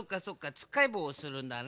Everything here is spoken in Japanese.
つっかえぼうをするんだね。